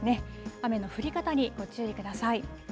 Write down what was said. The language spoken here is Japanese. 雨の降り方にご注意ください。